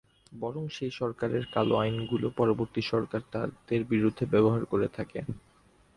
বরং সেই সরকারের কালো আইনগুলো পরবর্তী সরকার তাদের বিরুদ্ধে ব্যবহার করে থাকে।